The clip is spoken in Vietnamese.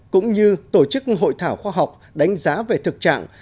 cũng như tổ chức hội thảo khoa học đánh giá về thực trạng